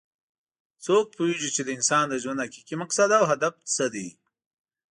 څوک پوهیږي چې د انسان د ژوند حقیقي مقصد او هدف څه ده